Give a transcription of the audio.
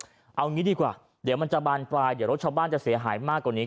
เอางี้ดีกว่าเดี๋ยวมันจะบานปลายเดี๋ยวรถชาวบ้านจะเสียหายมากกว่านี้